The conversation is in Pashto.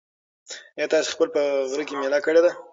ایا تاسي کله په غره کې مېله کړې ده؟